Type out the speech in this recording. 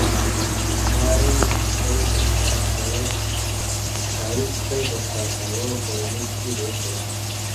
ښکاري سپي به ښکار کاوه او کورني سپي به خوړل.